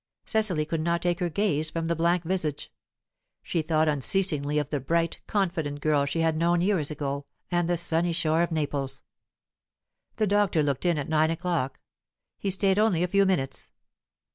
Cecily could not take her gaze from the blank visage; she thought unceasingly of the bright, confident girl she had known years ago, and the sunny shore of Naples. The doctor looked in at nine o'clock. He stayed only a few minutes.